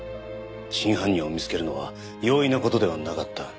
真犯人を見つけるのは容易な事ではなかった。